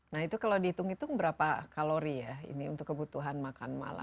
nah itu kalau dihitung hitung berapa kalori ya ini untuk kebutuhan makan malam